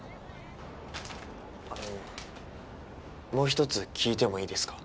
あのもう一つ聞いてもいいですか？